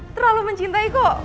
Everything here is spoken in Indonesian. terlalu mencintai kok